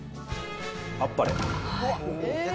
あっぱれ！